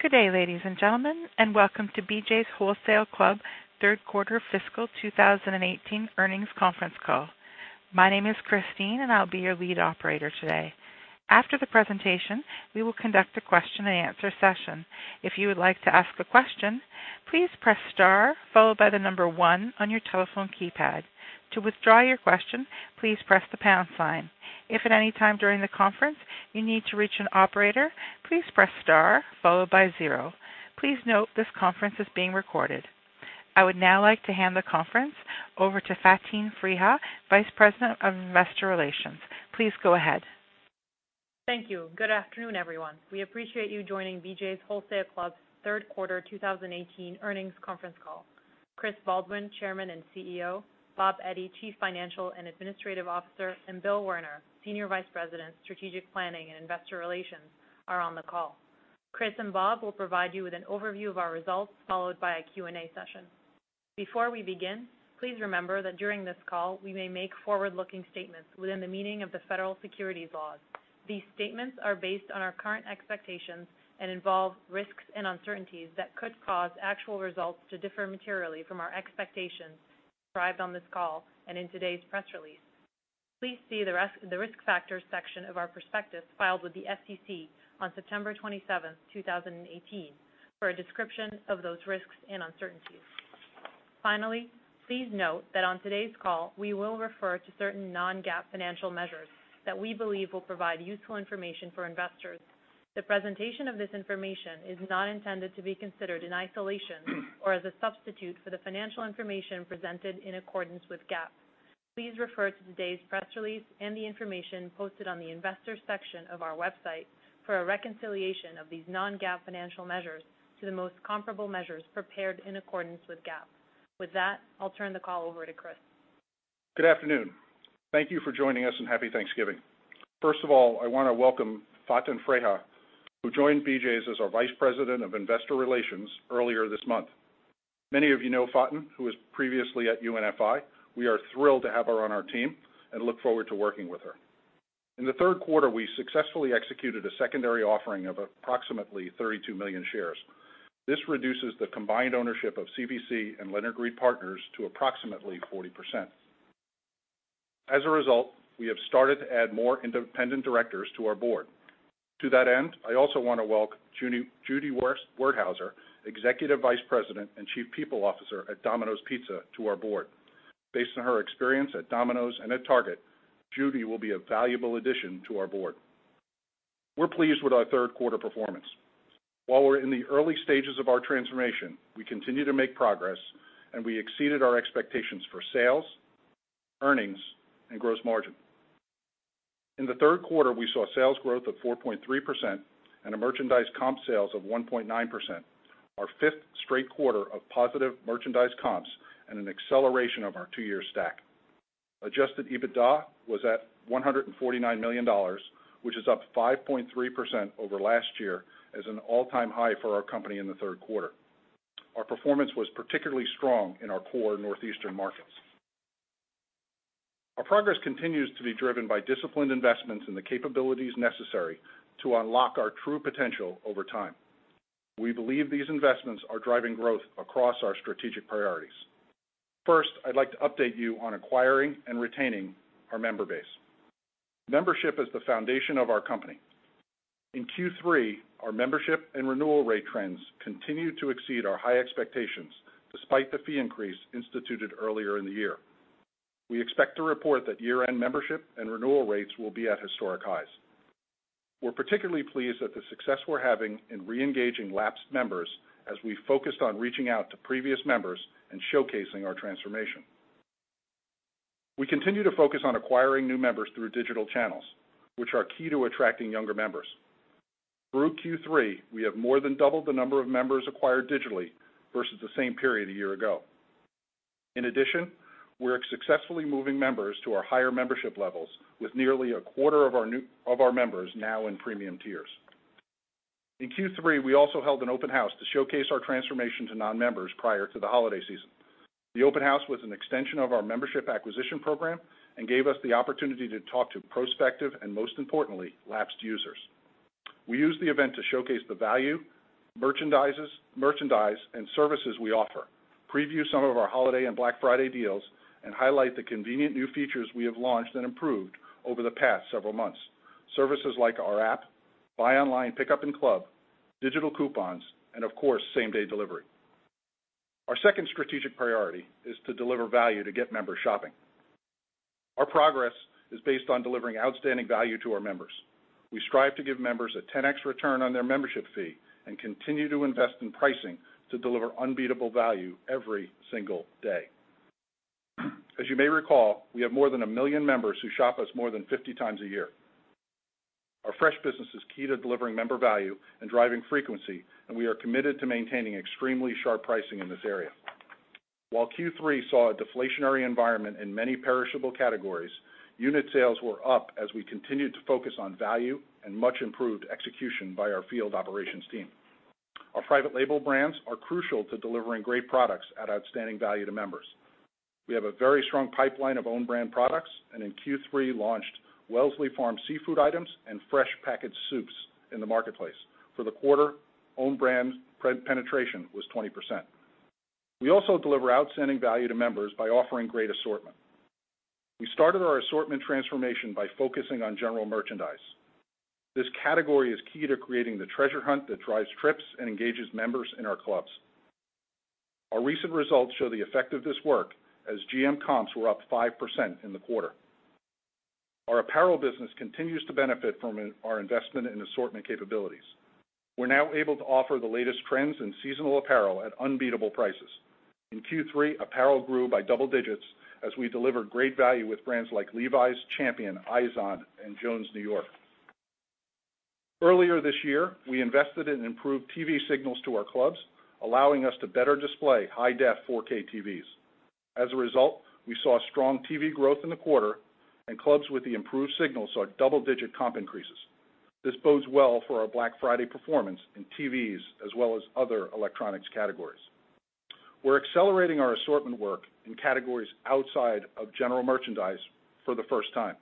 Good day, ladies and gentlemen, and welcome to BJ's Wholesale Club third quarter fiscal 2018 earnings conference call. My name is Christine, and I will be your lead operator today. After the presentation, we will conduct a question and answer session. If you would like to ask a question, please press star followed by the number one on your telephone keypad. To withdraw your question, please press the pound sign. If at any time during the conference you need to reach an operator, please press star followed by zero. Please note this conference is being recorded. I would now like to hand the conference over to Faten Freiha, Vice President of Investor Relations. Please go ahead. Thank you. Good afternoon, everyone. We appreciate you joining BJ's Wholesale Club's third quarter 2018 earnings conference call. Chris Baldwin, Chairman and CEO, Bob Eddy, Chief Financial and Administrative Officer, and Bill Werner, Senior Vice President, Strategic Planning and Investor Relations, are on the call. Chris and Bob will provide you with an overview of our results, followed by a Q&A session. Before we begin, please remember that during this call, we may make forward-looking statements within the meaning of the Federal Securities laws. These statements are based on our current expectations and involve risks and uncertainties that could cause actual results to differ materially from our expectations described on this call and in today's press release. Please see the Risk Factors section of our prospectus filed with the SEC on September 27th, 2018, for a description of those risks and uncertainties. Finally, please note that on today's call, we will refer to certain non-GAAP financial measures that we believe will provide useful information for investors. The presentation of this information is not intended to be considered in isolation or as a substitute for the financial information presented in accordance with GAAP. Please refer to today's press release and the information posted on the Investors section of our website for a reconciliation of these non-GAAP financial measures to the most comparable measures prepared in accordance with GAAP. With that, I will turn the call over to Chris. Good afternoon. Thank you for joining us, and Happy Thanksgiving. First of all, I want to welcome Faten Freiha, who joined BJ's as our Vice President of Investor Relations earlier this month. Many of you know Faten, who was previously at UNFI. We are thrilled to have her on our team and look forward to working with her. In the third quarter, we successfully executed a secondary offering of approximately 32 million shares. This reduces the combined ownership of CVC and Leonard Green & Partners to approximately 40%. As a result, we have started to add more independent directors to our board. To that end, I also want to welcome Judy Werthauser, Executive Vice President and Chief People Officer at Domino's Pizza, to our board. Based on her experience at Domino's and at Target, Judy will be a valuable addition to our board. We are pleased with our third quarter performance. While we're in the early stages of our transformation, we continue to make progress. We exceeded our expectations for sales, earnings, and gross margin. In the third quarter, we saw sales growth of 4.3% and a merchandise comp sales of 1.9%, our fifth straight quarter of positive merchandise comps and an acceleration of our two-year stack. Adjusted EBITDA was at $149 million, which is up 5.3% over last year as an all-time high for our company in the third quarter. Our performance was particularly strong in our core northeastern markets. Our progress continues to be driven by disciplined investments in the capabilities necessary to unlock our true potential over time. We believe these investments are driving growth across our strategic priorities. First, I'd like to update you on acquiring and retaining our member base. Membership is the foundation of our company. In Q3, our membership and renewal rate trends continued to exceed our high expectations, despite the fee increase instituted earlier in the year. We expect to report that year-end membership and renewal rates will be at historic highs. We're particularly pleased at the success we're having in re-engaging lapsed members as we focused on reaching out to previous members and showcasing our transformation. We continue to focus on acquiring new members through digital channels, which are key to attracting younger members. Through Q3, we have more than doubled the number of members acquired digitally versus the same period a year ago. In addition, we're successfully moving members to our higher membership levels with nearly a quarter of our members now in premium tiers. In Q3, we also held an open house to showcase our transformation to non-members prior to the holiday season. The open house was an extension of our membership acquisition program and gave us the opportunity to talk to prospective and, most importantly, lapsed users. We used the event to showcase the value, merchandise, and services we offer, preview some of our holiday and Black Friday deals, and highlight the convenient new features we have launched and improved over the past several months. Services like our app, buy online, pickup in club, digital coupons, and of course, same-day delivery. Our second strategic priority is to deliver value to get members shopping. Our progress is based on delivering outstanding value to our members. We strive to give members a 10x return on their membership fee and continue to invest in pricing to deliver unbeatable value every single day. As you may recall, we have more than 1 million members who shop us more than 50 times a year. Our fresh business is key to delivering member value and driving frequency. We are committed to maintaining extremely sharp pricing in this area. While Q3 saw a deflationary environment in many perishable categories, unit sales were up as we continued to focus on value and much-improved execution by our field operations team. Our private label brands are crucial to delivering great products at outstanding value to members. We have a very strong pipeline of own brand products, and in Q3 launched Wellsley Farms seafood items and fresh packaged soups in the marketplace. For the quarter, own brand penetration was 20%. We also deliver outstanding value to members by offering great assortment. We started our assortment transformation by focusing on general merchandise. This category is key to creating the treasure hunt that drives trips and engages members in our clubs. Our recent results show the effect of this work, as GM comps were up 5% in the quarter. Our apparel business continues to benefit from our investment in assortment capabilities. We're now able to offer the latest trends in seasonal apparel at unbeatable prices. In Q3, apparel grew by double digits as we delivered great value with brands like Levi's, Champion, IZOD, and Jones New York. Earlier this year, we invested in improved TV signals to our clubs, allowing us to better display high-def 4K TVs. As a result, we saw strong TV growth in the quarter, and clubs with the improved signal saw double-digit comp increases. This bodes well for our Black Friday performance in TVs, as well as other electronics categories. We're accelerating our assortment work in categories outside of general merchandise for the first time.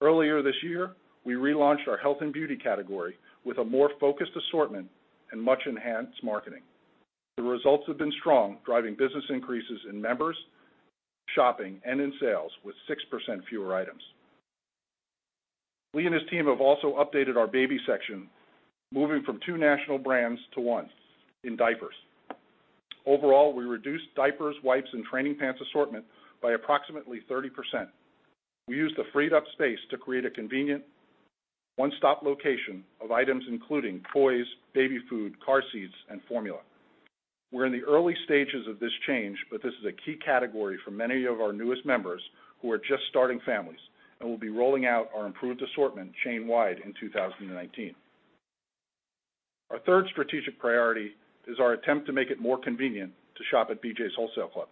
Earlier this year, we relaunched our health and beauty category with a more focused assortment and much-enhanced marketing. The results have been strong, driving business increases in members, shopping, and in sales with 6% fewer items. Lee and his team have also updated our baby section, moving from two national brands to one in diapers. Overall, we reduced diapers, wipes, and training pants assortment by approximately 30%. We used the freed-up space to create a convenient one-stop location of items including Poise, baby food, car seats, and formula. We're in the early stages of this change, but this is a key category for many of our newest members who are just starting families, and we'll be rolling out our improved assortment chain-wide in 2019. Our third strategic priority is our attempt to make it more convenient to shop at BJ's Wholesale Club.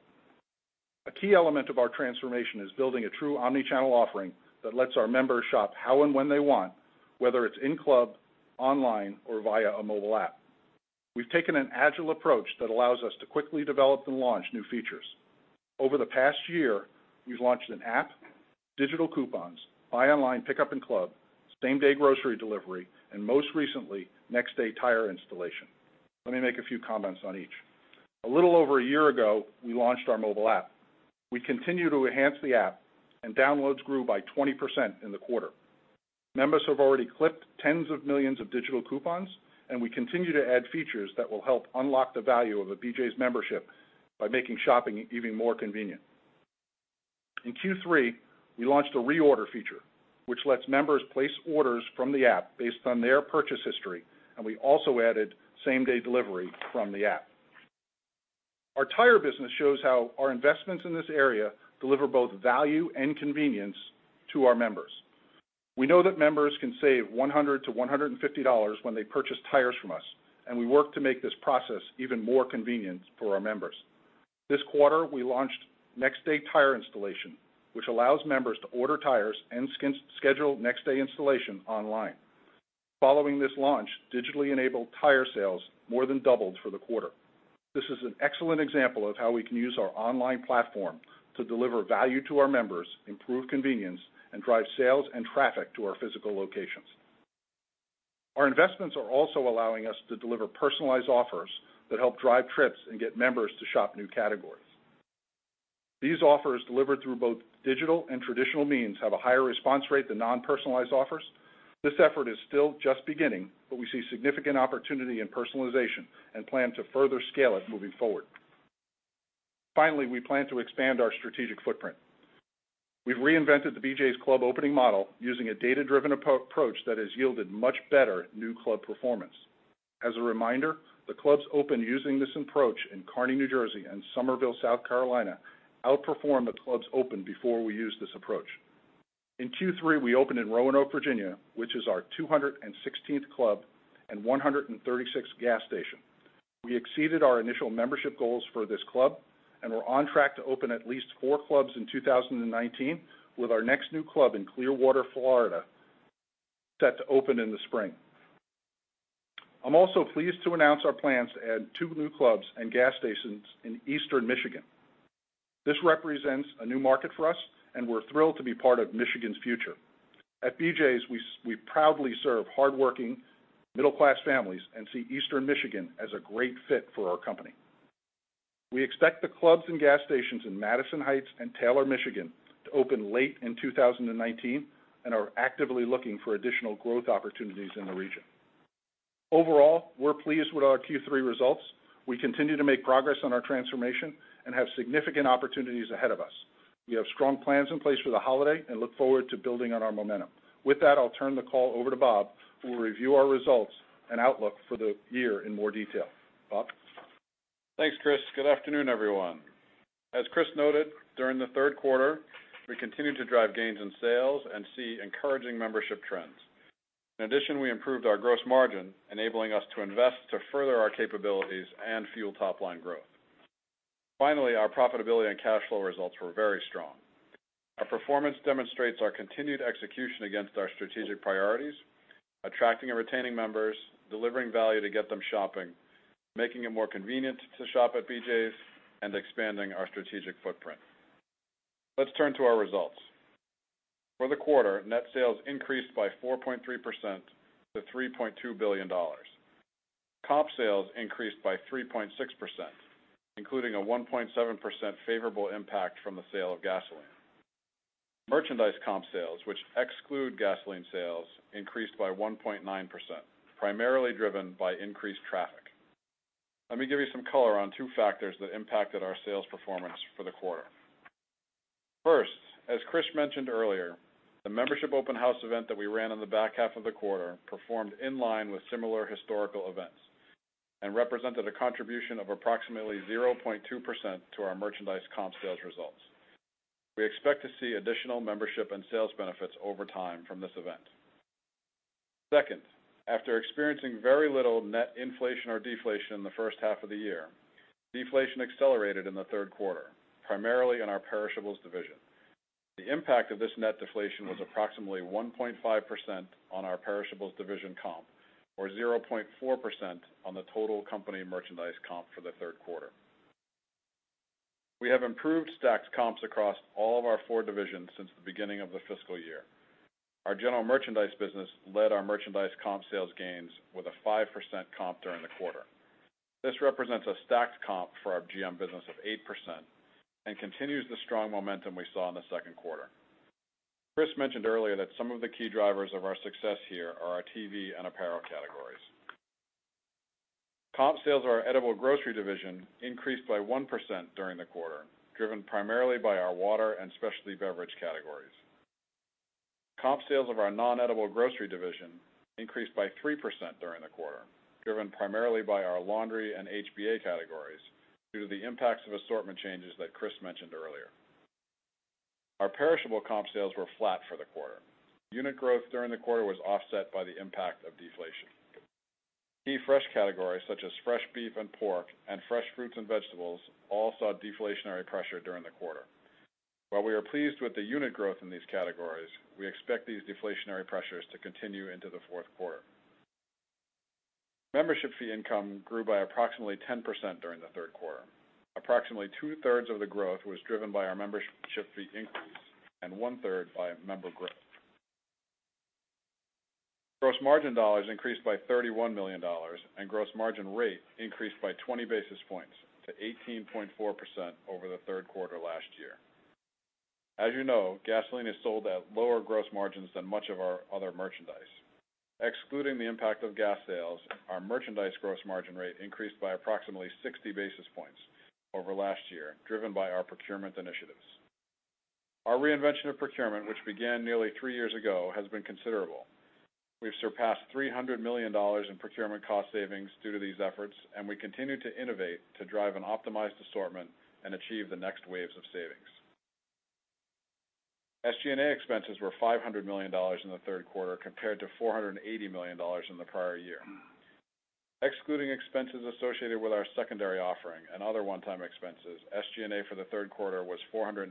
A key element of our transformation is building a true omnichannel offering that lets our members shop how and when they want, whether it's in-club, online, or via a mobile app. We've taken an agile approach that allows us to quickly develop and launch new features. Over the past year, we've launched an app, digital coupons, buy online pickup in club, same-day grocery delivery, and most recently, next-day tire installation. Let me make a few comments on each. A little over a year ago, we launched our mobile app. We continue to enhance the app, and downloads grew by 20% in the quarter. Members have already clipped tens of millions of digital coupons, and we continue to add features that will help unlock the value of a BJ's membership by making shopping even more convenient. In Q3, we launched a reorder feature, which lets members place orders from the app based on their purchase history, and we also added same-day delivery from the app. Our tire business shows how our investments in this area deliver both value and convenience to our members. We know that members can save $100 to $150 when they purchase tires from us, and we work to make this process even more convenient for our members. This quarter, we launched next-day tire installation, which allows members to order tires and schedule next-day installation online. Following this launch, digitally enabled tire sales more than doubled for the quarter. This is an excellent example of how we can use our online platform to deliver value to our members, improve convenience, and drive sales and traffic to our physical locations. Our investments are also allowing us to deliver personalized offers that help drive trips and get members to shop new categories. These offers, delivered through both digital and traditional means, have a higher response rate than non-personalized offers. This effort is still just beginning, but we see significant opportunity in personalization and plan to further scale it moving forward. Finally, we plan to expand our strategic footprint. We've reinvented the BJ's Club opening model using a data-driven approach that has yielded much better new club performance. As a reminder, the clubs opened using this approach in Kearny, New Jersey and Summerville, South Carolina, outperformed the clubs opened before we used this approach. In Q3, we opened in Roanoke, Virginia, which is our 216th club and 136th gas station. We exceeded our initial membership goals for this club and we're on track to open at least four clubs in 2019 with our next new club in Clearwater, Florida, set to open in the spring. I'm also pleased to announce our plans to add two new clubs and gas stations in Eastern Michigan. This represents a new market for us, and we're thrilled to be part of Michigan's future. At BJ's, we proudly serve hardworking, middle-class families and see Eastern Michigan as a great fit for our company. We expect the clubs and gas stations in Madison Heights and Taylor, Michigan, to open late in 2019 and are actively looking for additional growth opportunities in the region. Overall, we're pleased with our Q3 results. We continue to make progress on our transformation and have significant opportunities ahead of us. We have strong plans in place for the holiday and look forward to building on our momentum. With that, I'll turn the call over to Bob, who will review our results and outlook for the year in more detail. Bob? Thanks, Chris. Good afternoon, everyone. As Chris noted, during the third quarter, we continued to drive gains in sales and see encouraging membership trends. In addition, we improved our gross margin, enabling us to invest to further our capabilities and fuel top-line growth. Finally, our profitability and cash flow results were very strong. Our performance demonstrates our continued execution against our strategic priorities, attracting and retaining members, delivering value to get them shopping, making it more convenient to shop at BJ's, and expanding our strategic footprint. Let's turn to our results. For the quarter, net sales increased by 4.3% to $3.2 billion. Comp sales increased by 3.6%, including a 1.7% favorable impact from the sale of gasoline. Merchandise comp sales, which exclude gasoline sales, increased by 1.9%, primarily driven by increased traffic. Let me give you some color on two factors that impacted our sales performance for the quarter. First, as Chris mentioned earlier, the membership open house event that we ran in the back half of the quarter performed in line with similar historical events and represented a contribution of approximately 0.2% to our merchandise comp sales results. We expect to see additional membership and sales benefits over time from this event. Second, after experiencing very little net inflation or deflation in the first half of the year, deflation accelerated in the third quarter, primarily in our perishables division. The impact of this net deflation was approximately 1.5% on our perishables division comp or 0.4% on the total company merchandise comp for the third quarter. We have improved stacked comps across all of our four divisions since the beginning of the fiscal year. Our general merchandise business led our merchandise comp sales gains with a 5% comp during the quarter. This represents a stacked comp for our GM business of 8% and continues the strong momentum we saw in the second quarter. Chris mentioned earlier that some of the key drivers of our success here are our TV and apparel categories. Comp sales of our edible grocery division increased by 1% during the quarter, driven primarily by our water and specialty beverage categories. Comp sales of our non-edible grocery division increased by 3% during the quarter, driven primarily by our laundry and HBA categories due to the impacts of assortment changes that Chris mentioned earlier. Our perishable comp sales were flat for the quarter. Unit growth during the quarter was offset by the impact of deflation. Key fresh categories such as fresh beef and pork and fresh fruits and vegetables all saw deflationary pressure during the quarter. While we are pleased with the unit growth in these categories, we expect these deflationary pressures to continue into the fourth quarter. Membership fee income grew by approximately 10% during the third quarter. Approximately 2/3 of the growth was driven by our membership fee increase and 1/3 by member growth. Gross margin dollars increased by $31 million, and gross margin rate increased by 20 basis points to 18.4% over the third quarter last year. As you know, gasoline is sold at lower gross margins than much of our other merchandise. Excluding the impact of gas sales, our merchandise gross margin rate increased by approximately 60 basis points over last year, driven by our procurement initiatives. Our reinvention of procurement, which began nearly three years ago, has been considerable. We've surpassed $300 million in procurement cost savings due to these efforts, we continue to innovate to drive an optimized assortment and achieve the next waves of savings. SG&A expenses were $500 million in the third quarter, compared to $480 million in the prior year. Excluding expenses associated with our secondary offering and other one-time expenses, SG&A for the third quarter was $496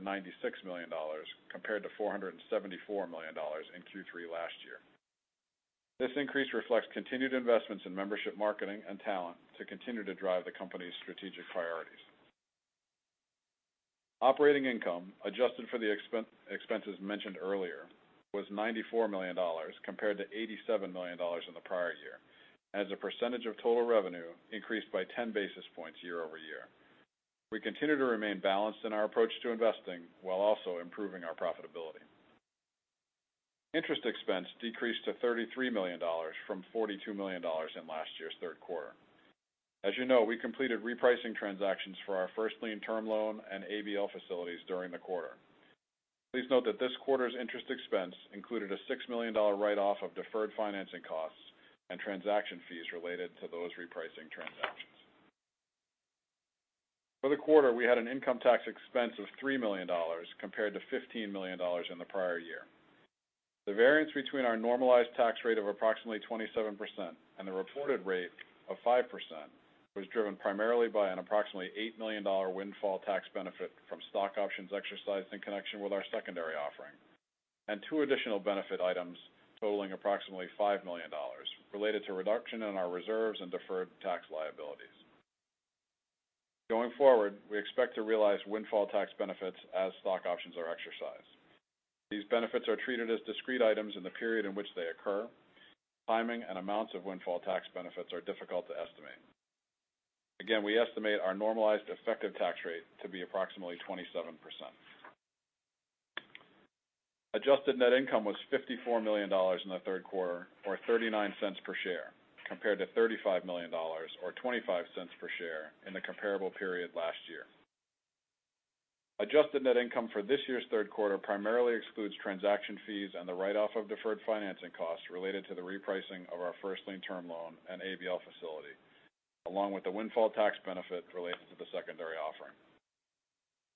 million, compared to $474 million in Q3 last year. This increase reflects continued investments in membership marketing and talent to continue to drive the company's strategic priorities. Operating income, adjusted for the expenses mentioned earlier, was $94 million, compared to $87 million in the prior year. As a percentage of total revenue increased by 10 basis points year-over-year. We continue to remain balanced in our approach to investing while also improving our profitability. Interest expense decreased to $33 million from $42 million in last year's third quarter. As you know, we completed repricing transactions for our first lien term loan and ABL facilities during the quarter. Please note that this quarter's interest expense included a $6 million write-off of deferred financing costs and transaction fees related to those repricing transactions. For the quarter, we had an income tax expense of $3 million, compared to $15 million in the prior year. The variance between our normalized tax rate of approximately 27% and the reported rate of 5% was driven primarily by an approximately $8 million windfall tax benefit from stock options exercised in connection with our secondary offering, and two additional benefit items totaling approximately $5 million related to reduction in our reserves and deferred tax liabilities. Going forward, we expect to realize windfall tax benefits as stock options are exercised. These benefits are treated as discrete items in the period in which they occur. Timing and amounts of windfall tax benefits are difficult to estimate. Again, we estimate our normalized effective tax rate to be approximately 27%. Adjusted net income was $54 million in the third quarter, or $0.39 per share, compared to $35 million or $0.25 per share in the comparable period last year. Adjusted net income for this year's third quarter primarily excludes transaction fees and the write-off of deferred financing costs related to the repricing of our first lien term loan and ABL facility, along with the windfall tax benefit related to the secondary offering.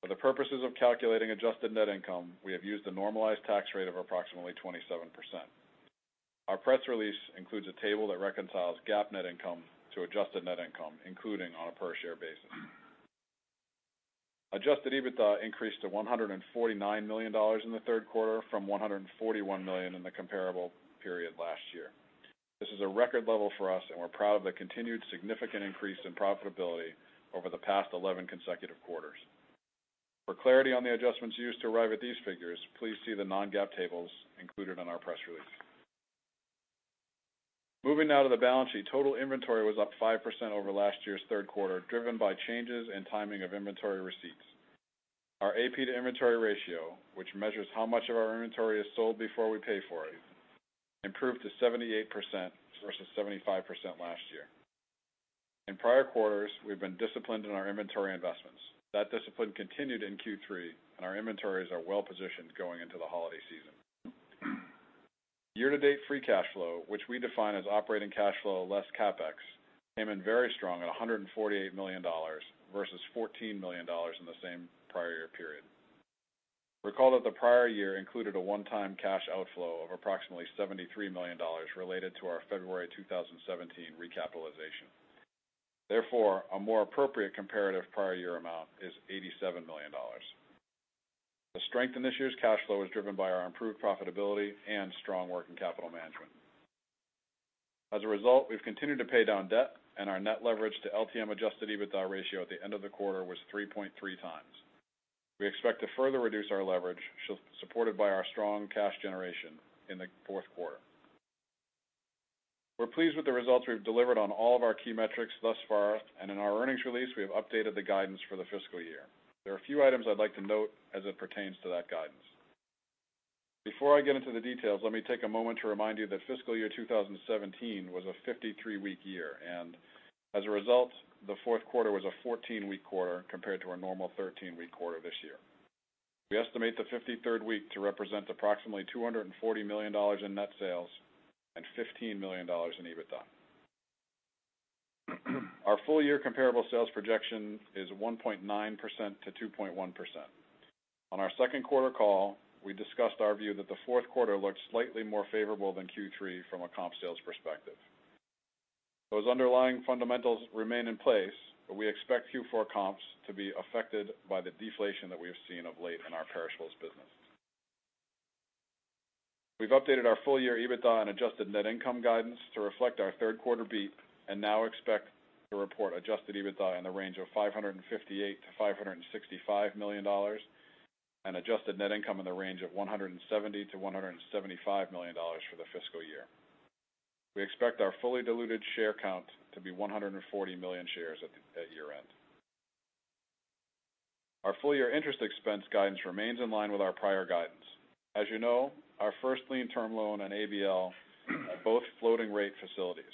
For the purposes of calculating adjusted net income, we have used a normalized tax rate of approximately 27%. Our press release includes a table that reconciles GAAP net income to adjusted net income, including on a per share basis. Adjusted EBITDA increased to $149 million in the third quarter from $141 million in the comparable period last year. This is a record level for us, and we're proud of the continued significant increase in profitability over the past 11 consecutive quarters. For clarity on the adjustments used to arrive at these figures, please see the non-GAAP tables included in our press release. Moving now to the balance sheet. Total inventory was up 5% over last year's third quarter, driven by changes in timing of inventory receipts. Our AP to inventory ratio, which measures how much of our inventory is sold before we pay for it, improved to 78% versus 75% last year. In prior quarters, we've been disciplined in our inventory investments. That discipline continued in Q3, and our inventories are well positioned going into the holiday season. Year-to-date free cash flow, which we define as operating cash flow less CapEx, came in very strong at $148 million versus $14 million in the same prior year period. Recall that the prior year included a one-time cash outflow of approximately $73 million related to our February 2017 recapitalization. Therefore, a more appropriate comparative prior year amount is $87 million. The strength in this year's cash flow is driven by our improved profitability and strong working capital management. As a result, we've continued to pay down debt, and our net leverage to LTM adjusted EBITDA ratio at the end of the quarter was 3.3x. We expect to further reduce our leverage, supported by our strong cash generation in the fourth quarter. We're pleased with the results we've delivered on all of our key metrics thus far. In our earnings release, we have updated the guidance for the fiscal year. There are a few items I'd like to note as it pertains to that guidance. Before I get into the details, let me take a moment to remind you that fiscal year 2017 was a 53-week year, and as a result, the fourth quarter was a 14-week quarter compared to our normal 13-week quarter this year. We estimate the 53rd week to represent approximately $240 million in net sales and $15 million in EBITDA. Our full year comparable sales projection is 1.9%-2.1%. On our second quarter call, we discussed our view that the fourth quarter looks slightly more favorable than Q3 from a comp sales perspective. Those underlying fundamentals remain in place, but we expect Q4 comps to be affected by the deflation that we have seen of late in our perishables business. We've updated our full year EBITDA and adjusted net income guidance to reflect our third quarter beat and now expect to report adjusted EBITDA in the range of $558 million-$565 million and adjusted net income in the range of $170 million-$175 million for the fiscal year. We expect our fully diluted share count to be 140 million shares at year-end. Our full year interest expense guidance remains in line with our prior guidance. As you know, our first lien term loan and ABL are both floating rate facilities.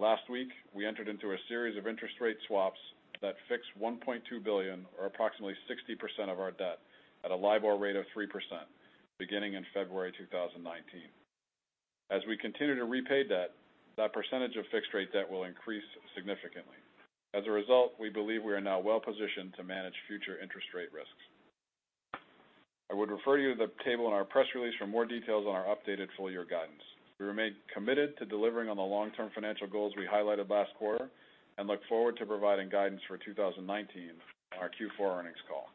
Last week, we entered into a series of interest rate swaps that fixed $1.2 billion or approximately 60% of our debt at a LIBOR rate of 3% beginning in February 2019. As we continue to repay debt, that percentage of fixed rate debt will increase significantly. As a result, we believe we are now well positioned to manage future interest rate risks. I would refer you to the table in our press release for more details on our updated full year guidance. We remain committed to delivering on the long-term financial goals we highlighted last quarter and look forward to providing guidance for 2019 on our Q4 earnings call.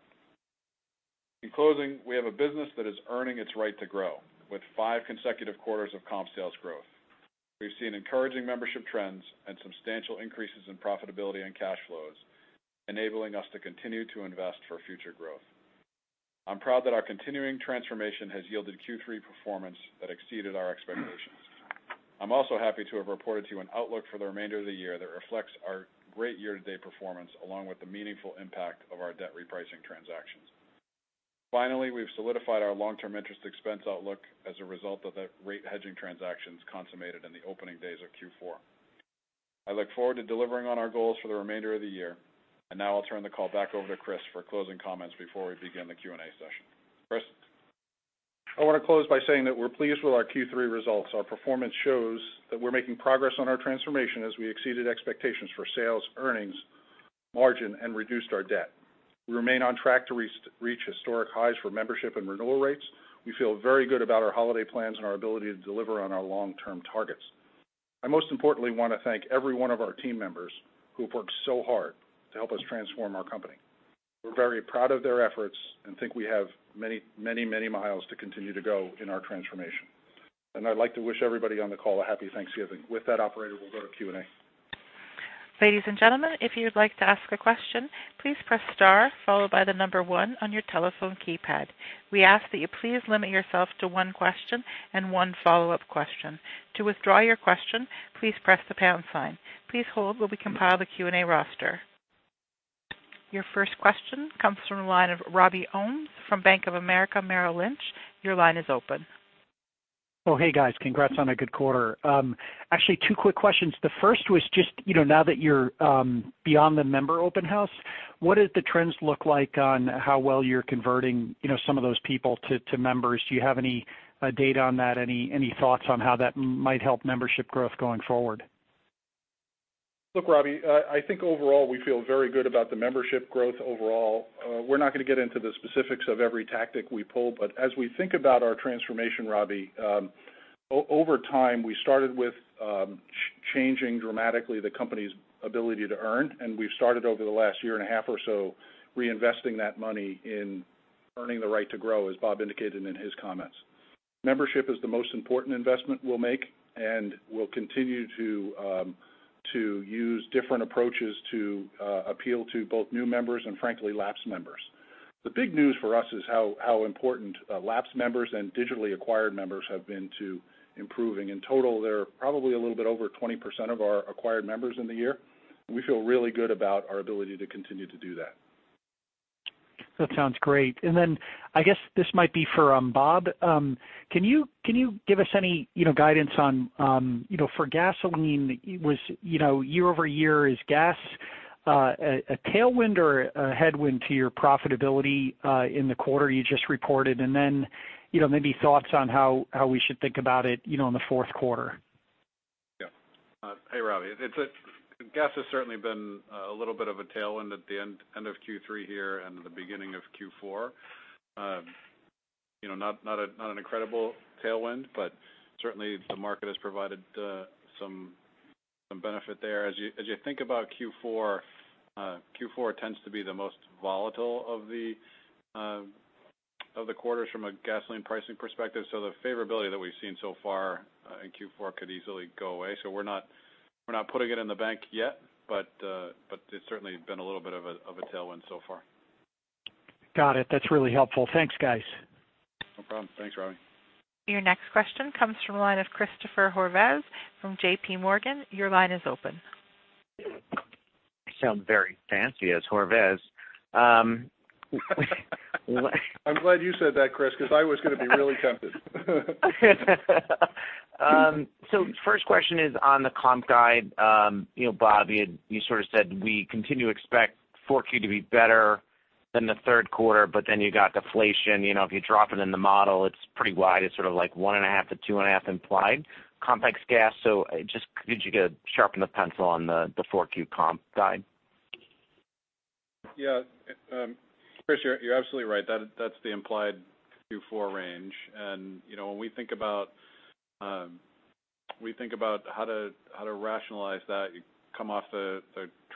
In closing, we have a business that is earning its right to grow with five consecutive quarters of comp sales growth. We've seen encouraging membership trends and substantial increases in profitability and cash flows, enabling us to continue to invest for future growth. I'm proud that our continuing transformation has yielded Q3 performance that exceeded our expectations. I'm also happy to have reported to you an outlook for the remainder of the year that reflects our great year-to-date performance, along with the meaningful impact of our debt repricing transactions. Finally, we've solidified our long-term interest expense outlook as a result of the rate hedging transactions consummated in the opening days of Q4. I look forward to delivering on our goals for the remainder of the year. Now I'll turn the call back over to Chris for closing comments before we begin the Q&A session. Chris? I want to close by saying that we're pleased with our Q3 results. Our performance shows that we're making progress on our transformation as we exceeded expectations for sales, earnings, margin, and reduced our debt. We remain on track to reach historic highs for membership and renewal rates. We feel very good about our holiday plans and our ability to deliver on our long-term targets. I most importantly want to thank every one of our team members who have worked so hard to help us transform our company. We're very proud of their efforts and think we have many, many miles to continue to go in our transformation. I'd like to wish everybody on the call a happy Thanksgiving. With that operator, we'll go to Q&A. Ladies and gentlemen, if you'd like to ask a question, please press star followed by the number one on your telephone keypad. We ask that you please limit yourself to one question and one follow-up question. To withdraw your question, please press the pound sign. Please hold while we compile the Q&A roster. Your first question comes from the line of Robby Ohmes from Bank of America Merrill Lynch. Your line is open. Hey, guys. Congrats on a good quarter. Actually, two quick questions. The first was just now that you're beyond the member open house, what do the trends look like on how well you're converting some of those people to members? Do you have any data on that? Any thoughts on how that might help membership growth going forward? Look, Robby, I think overall, we feel very good about the membership growth overall. We're not going to get into the specifics of every tactic we pull, but as we think about our transformation, Robby, over time, we started with changing dramatically the company's ability to earn. We've started over the last year and a half or so reinvesting that money in earning the right to grow, as Bob indicated in his comments. Membership is the most important investment we'll make. We'll continue to use different approaches to appeal to both new members and frankly, lapsed members. The big news for us is how important lapsed members and digitally acquired members have been to improving. In total, they're probably a little bit over 20% of our acquired members in the year. We feel really good about our ability to continue to do that. That sounds great. I guess this might be for Bob. Can you give us any guidance on, for gasoline, year-over-year, is gas a tailwind or a headwind to your profitability in the quarter you just reported? Maybe thoughts on how we should think about it in the fourth quarter. Yeah. Hey, Robby. Gas has certainly been a little bit of a tailwind at the end of Q3 here and the beginning of Q4. Not an incredible tailwind, certainly the market has provided some benefit there. As you think about Q4 tends to be the most volatile of the quarters from a gasoline pricing perspective. The favorability that we've seen so far in Q4 could easily go away. We're not putting it in the bank yet, but it's certainly been a little bit of a tailwind so far. Got it. That's really helpful. Thanks, guys. No problem. Thanks, Robby. Your next question comes from the line of Christopher Horvers from JPMorgan. Your line is open. I sound very fancy as Horvers. I'm glad you said that, Chris, because I was going to be really tempted. First question is on the comp guide. Bob, you sort of said we continue to expect 4Q to be better than the third quarter. You got deflation. If you drop it in the model, it's pretty wide. It's sort of like 1.5-2.5 implied comp ex gas. Just could you sharpen the pencil on the 4Q comp guide? Chris, you're absolutely right. That's the implied Q4 range. When we think about how to rationalize that, you come off the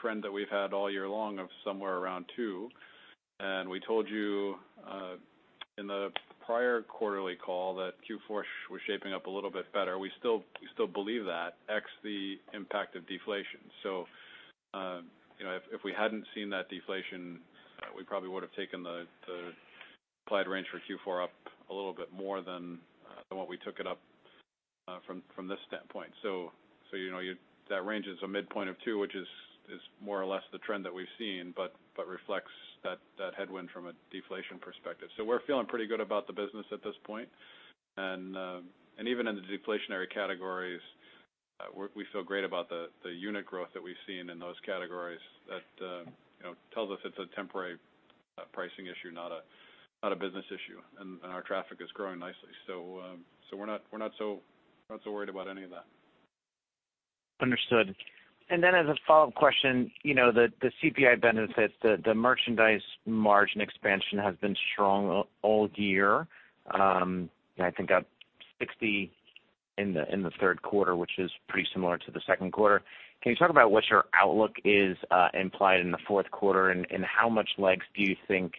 trend that we've had all year long of somewhere around two. We told you in the prior quarterly call that Q4 was shaping up a little bit better. We still believe that, ex the impact of deflation. If we hadn't seen that deflation, we probably would have taken the applied range for Q4 up a little bit more than what we took it up from this standpoint. That range is a midpoint of two, which is more or less the trend that we've seen, but reflects that headwind from a deflation perspective. We're feeling pretty good about the business at this point. Even in the deflationary categories, we feel great about the unit growth that we've seen in those categories. That tells us it's a temporary pricing issue, not a business issue. Our traffic is growing nicely. We're not so worried about any of that. Understood. Then as a follow-up question, the CPI benefits, the merchandise margin expansion has been strong all year. I think up 60 in the third quarter, which is pretty similar to the second quarter. Can you talk about what your outlook is implied in the fourth quarter, how much legs do you think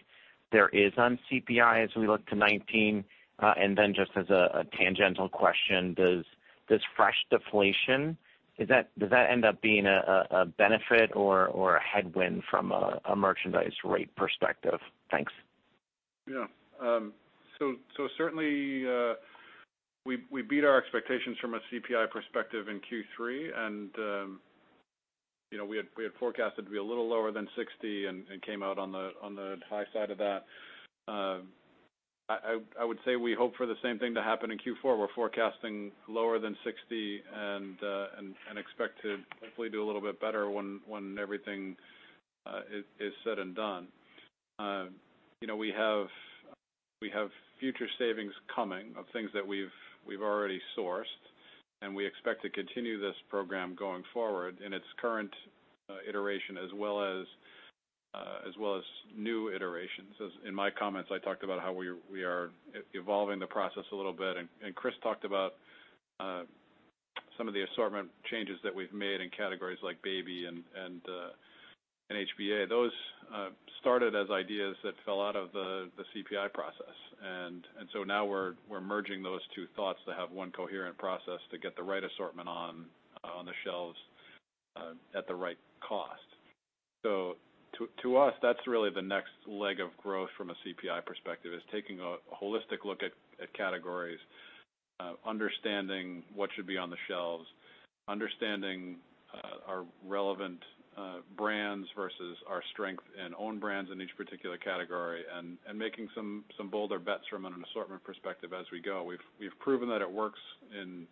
there is on CPI as we look to 2019? Then just as a tangential question, does fresh deflation, does that end up being a benefit or a headwind from a merchandise rate perspective? Thanks. Yeah. Certainly, we beat our expectations from a CPI perspective in Q3. We had forecasted to be a little lower than 60 and came out on the high side of that. I would say we hope for the same thing to happen in Q4. We're forecasting lower than 60 and expect to hopefully do a little bit better when everything is said and done. We have future savings coming of things that we've already sourced. We expect to continue this program going forward in its current iteration as well as new iterations. In my comments, I talked about how we are evolving the process a little bit. Chris talked about some of the assortment changes that we've made in categories like baby and HBA. Those started as ideas that fell out of the CPI process. Now we're merging those two thoughts to have one coherent process to get the right assortment on the shelves at the right cost. To us, that's really the next leg of growth from a CPI perspective, is taking a holistic look at categories, understanding what should be on the shelves, understanding our relevant brands versus our strength in own brands in each particular category, and making some bolder bets from an assortment perspective as we go. We've proven that it works in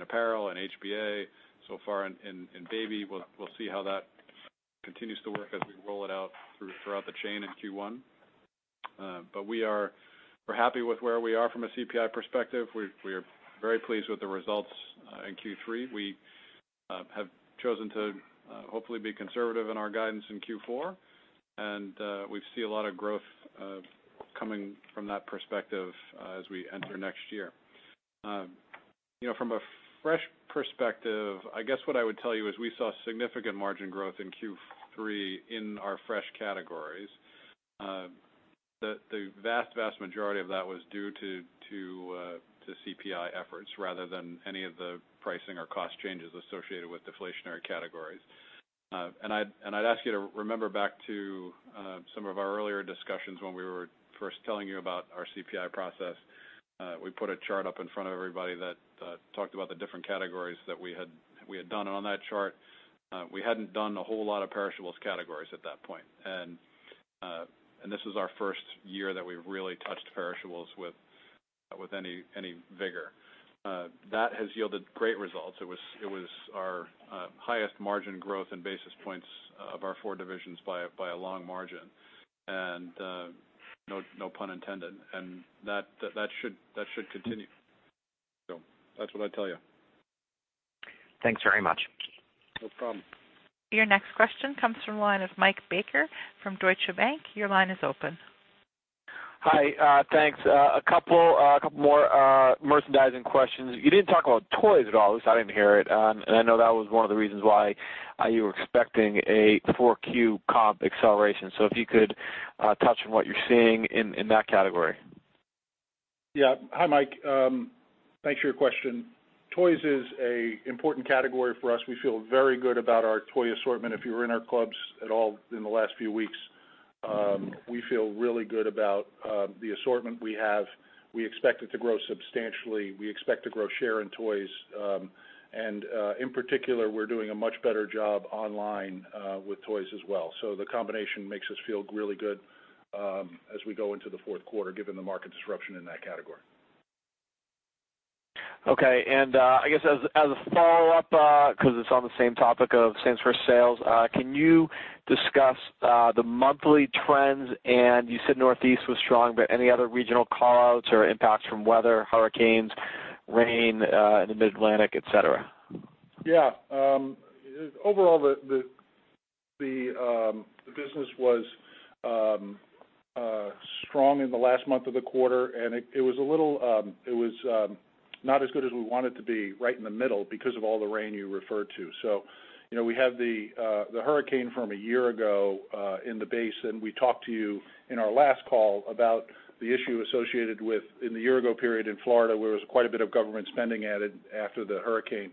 apparel and HBA so far. In baby, we'll see how that continues to work as we roll it out throughout the chain in Q1. We're happy with where we are from a CPI perspective. We are very pleased with the results in Q3. We have chosen to hopefully be conservative in our guidance in Q4. We see a lot of growth coming from that perspective as we enter next year. From a fresh perspective, I guess what I would tell you is we saw significant margin growth in Q3 in our fresh categories. The vast majority of that was due to CPI efforts rather than any of the pricing or cost changes associated with deflationary categories. I'd ask you to remember back to some of our earlier discussions when we were first telling you about our CPI process. We put a chart up in front of everybody that talked about the different categories that we had done. On that chart, we hadn't done a whole lot of perishables categories at that point. This was our first year that we've really touched perishables with any vigor. That has yielded great results. It was our highest margin growth in basis points of our four divisions by a long margin. No pun intended. That should continue. That's what I'd tell you. Thanks very much. No problem. Your next question comes from the line of Mike Baker from Deutsche Bank. Your line is open. Hi, thanks. A couple more merchandising questions. You didn't talk about toys at all. At least I didn't hear it. I know that was one of the reasons why you were expecting a four Q comp acceleration. If you could touch on what you're seeing in that category? Yeah. Hi, Mike. Thanks for your question. Toys is a important category for us. We feel very good about our toy assortment. If you were in our clubs at all in the last few weeks, we feel really good about the assortment we have. We expect it to grow substantially. We expect to grow share in toys. In particular, we're doing a much better job online with toys as well. The combination makes us feel really good as we go into the fourth quarter, given the market disruption in that category. I guess as a follow-up, because it's on the same topic of same-store sales, can you discuss the monthly trends and you said Northeast was strong, but any other regional call-outs or impacts from weather, hurricanes, rain in the Mid-Atlantic, et cetera? Overall, the business was strong in the last month of the quarter. It was not as good as we want it to be right in the middle because of all the rain you referred to. We had the hurricane from a year ago in the base. We talked to you in our last call about the issue associated with in the year ago period in Florida, where there was quite a bit of government spending added after the hurricane,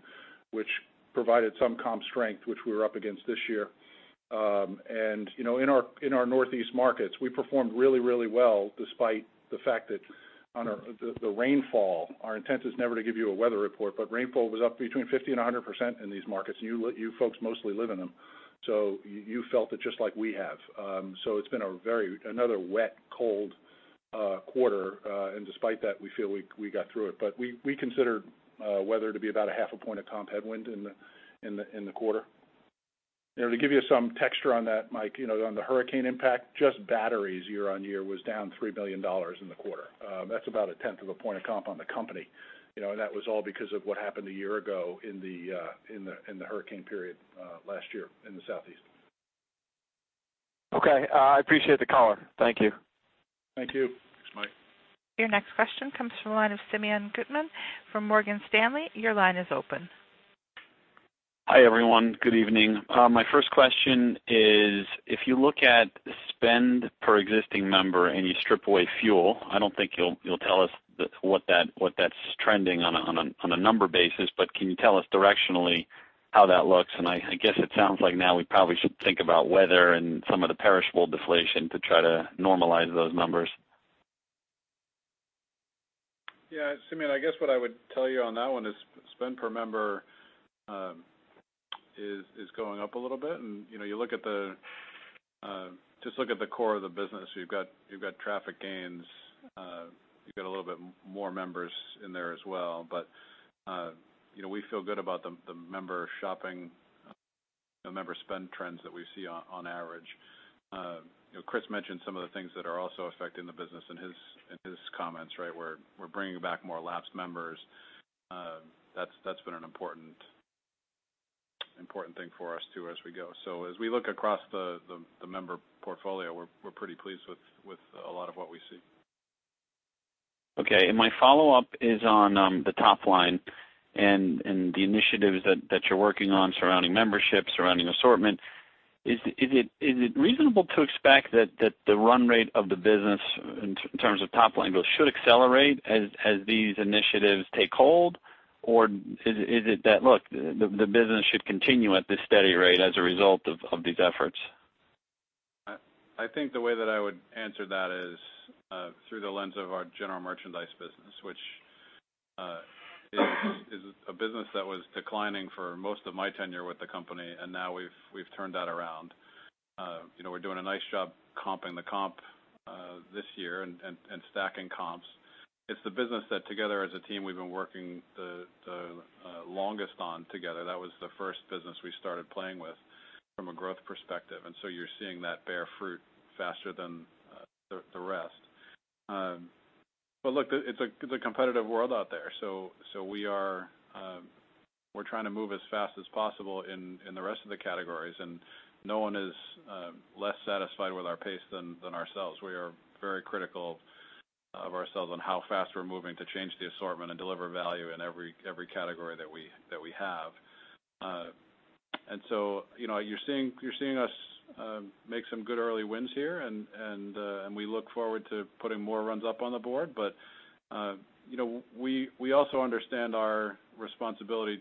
which provided some comp strength, which we were up against this year. In our Northeast markets, we performed really, really well despite the fact that the rainfall, our intent is never to give you a weather report, but rainfall was up between 50%-100% in these markets. You folks mostly live in them. You felt it just like we have. It's been another wet, cold quarter. Despite that, we feel we got through it, but we consider weather to be about a half a point of comp headwind in the quarter. To give you some texture on that, Mike, on the hurricane impact, just batteries year-on-year was down $3 million in the quarter. That's about a tenth of a point of comp on the company. That was all because of what happened a year ago in the hurricane period last year in the Southeast. I appreciate the color. Thank you. Thank you. Thanks, Mike. Your next question comes from the line of Simeon Gutman from Morgan Stanley. Your line is open. Hi, everyone. Good evening. My first question is, if you look at spend per existing member and you strip away fuel, I don't think you'll tell us what that's trending on a number basis. Can you tell us directionally how that looks? I guess it sounds like now we probably should think about weather and some of the perishable deflation to try to normalize those numbers. Yeah. Simeon, I guess what I would tell you on that one is spend per member is going up a little bit and just look at the core of the business. You've got traffic gains. You've got a little bit more members in there as well. We feel good about the member shopping, the member spend trends that we see on average. Chris mentioned some of the things that are also affecting the business in his comments, right? We're bringing back more lapsed members. That's been an important thing for us, too, as we go. As we look across the member portfolio, we're pretty pleased with a lot of what we see. Okay. My follow-up is on the top line and the initiatives that you're working on surrounding membership, surrounding assortment. Is it reasonable to expect that the run rate of the business in terms of top line growth should accelerate as these initiatives take hold? Or is it that, look, the business should continue at this steady rate as a result of these efforts? I think the way that I would answer that is through the lens of our general merchandise business, which is a business that was declining for most of my tenure with the company, and now we've turned that around. We're doing a nice job comping the comp this year and stacking comps. It's the business that together as a team, we've been working the longest on together. That was the first business we started playing with from a growth perspective, you're seeing that bear fruit faster than the rest. Look, it's a competitive world out there, so we're trying to move as fast as possible in the rest of the categories, and no one is less satisfied with our pace than ourselves. We are very critical of ourselves on how fast we're moving to change the assortment and deliver value in every category that we have. You're seeing us make some good early wins here, and we look forward to putting more runs up on the board. We also understand our responsibility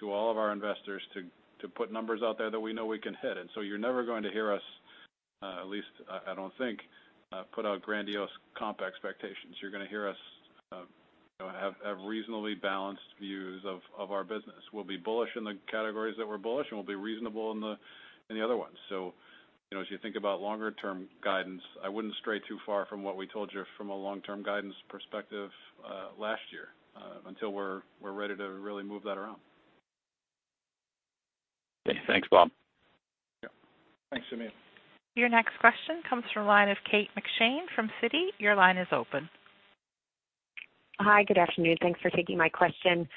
to all of our investors to put numbers out there that we know we can hit. You're never going to hear us, at least I don't think, put out grandiose comp expectations. You're going to hear us have reasonably balanced views of our business. We'll be bullish in the categories that we're bullish, and we'll be reasonable in the other ones. As you think about longer-term guidance, I wouldn't stray too far from what we told you from a long-term guidance perspective last year, until we're ready to really move that around. Okay, thanks, Bob. Yeah. Thanks, Simeon. Your next question comes from the line of Kate McShane from Citi. Your line is open. Hi, good afternoon. Thanks for taking my question.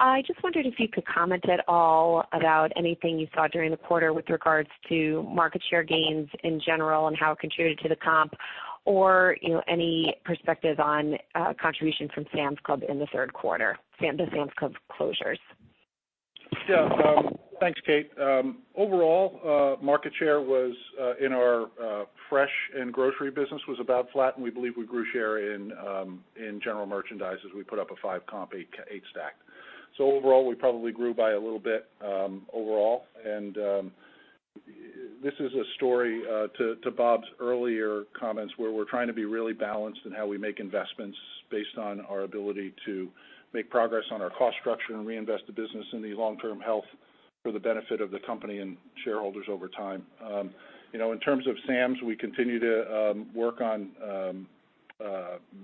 I just wondered if you could comment at all about anything you saw during the quarter with regards to market share gains in general and how it contributed to the comp, or any perspective on contribution from Sam's Club in the third quarter, the Sam's Club closures? Thanks, Kate. Overall, market share in our fresh and grocery business was about flat. We believe we grew share in general merchandise as we put up a five comp, eight stack. Overall, we probably grew by a little bit, overall. This is a story to Bob's earlier comments, where we're trying to be really balanced in how we make investments based on our ability to make progress on our cost structure and reinvest the business in the long-term health for the benefit of the company and shareholders over time. In terms of Sam's, we continue to work on